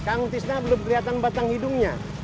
kang tisna belum keliatan batang hidungnya